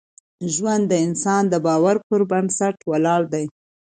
ژوند د انسان د باور پر بنسټ ولاړ دی.